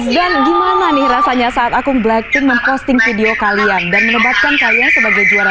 dan gimana nih rasanya saat aku blackpink memposting video kalian dan menyebabkan kalian sebagai juara dua